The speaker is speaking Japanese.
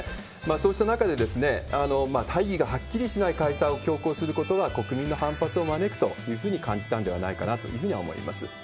そうした中で、大義がはっきりしない解散を強行することは、国民の反発を招くというふうに感じたんではないかなというふうには思います。